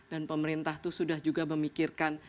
dan pemerintah itu sudah juga memikirkan